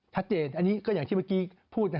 ชัดเจนอันนี้ก็อย่างที่เมื่อกี้พูดนะ